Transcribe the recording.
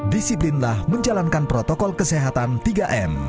disiplinlah menjalankan protokol kesehatan tiga m